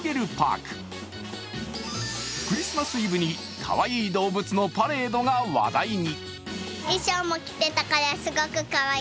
クリスマスイブにかわいい動物のパレードが話題に。